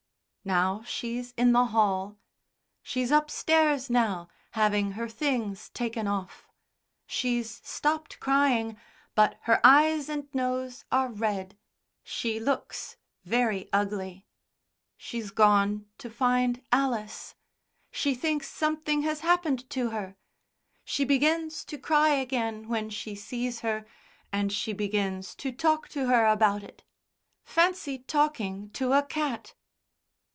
Now she's in the hall. She's upstairs now, having her things taken off. She's stopped crying, but her eyes and nose are red. She looks very ugly. She's gone to find Alice. She thinks something has happened to her. She begins to cry again when she sees her, and she begins to talk to her about it. Fancy talking to a cat...."